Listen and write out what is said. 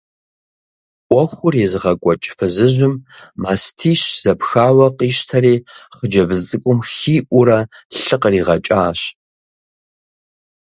Ӏуэхур езыгъэкӏуэкӏ фызыжьым мастищ зэпхауэ къищтэри хъыджэбз цӏыкӏум хиӏуурэ лъы къригъэкӏащ.